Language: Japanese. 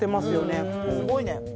すごいね。